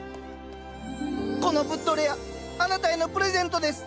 このブッドレアあなたへのプレゼントです。